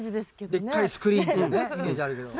でっかいスクリーンっていうねイメージあるけど。